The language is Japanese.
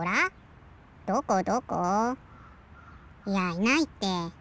いやいないって。